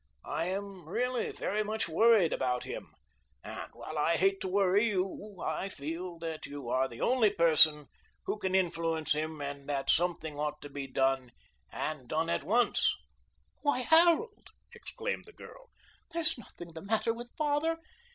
I am really very much worried about him, and while I hate to worry you I feel that you are the only person who can influence him and that something ought to be done and done at once." "Why, Harold," exclaimed the girl, "there is nothing the matter with father!